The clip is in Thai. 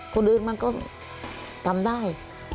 คนอื่นมันก็ทำได้